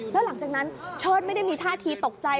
แล้วหลังจากนั้นเชิดไม่ได้มีท่าทีตกใจ